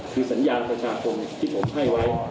คือสัญญาณประชาคมที่ผมให้ไว้